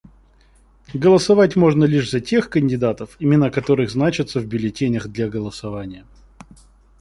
Голосовать можно лишь за тех кандидатов, имена которых значатся в бюллетенях для голосования.